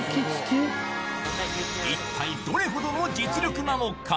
一体どれほどの実力なのか？